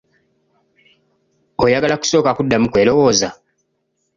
Oyagala kusooka kuddamu kwerowooza?